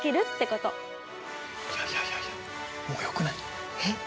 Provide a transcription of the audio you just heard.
いやいやいやもうよくない？え？